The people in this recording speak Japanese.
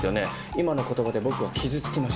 今の言葉で僕は傷つきました。